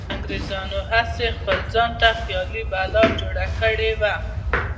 انګریزانو هسې خپل ځانته خیالي بلا جوړه کړې وه.